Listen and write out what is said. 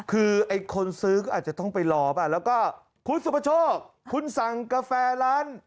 คือไอ้คนซื้อก็อาจจะต้องไปรอป่ะแล้วก็คุณสุประโชคคุณสั่งกาแฟร้าน